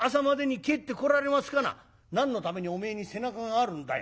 「何のためにおめえに背中があるんだよ。